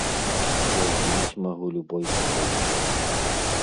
Я здзівіць магу любой мадэллю.